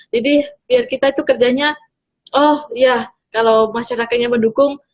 jadi biar kita itu kerjanya oh iya kalau masyarakatnya mendukung